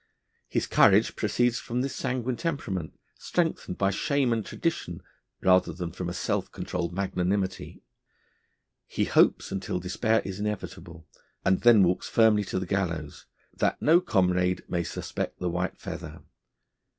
His courage proceeds from this sanguine temperament, strengthened by shame and tradition rather than from a self controlled magnanimity; he hopes until despair is inevitable, and then walks firmly to the gallows, that no comrade may suspect the white feather.